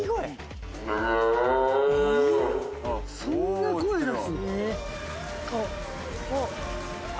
そんな声出すの！？